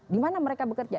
di mana mereka bekerja